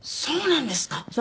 そうなんですか？